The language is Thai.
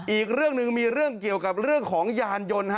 อีกเรื่องหนึ่งมีเรื่องเกี่ยวกับเรื่องของยานยนต์